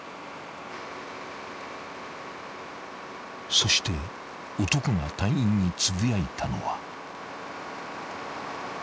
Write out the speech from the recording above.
［そして男が隊員につぶやいたのは］